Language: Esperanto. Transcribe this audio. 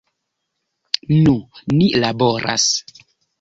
Nu, ni laboras.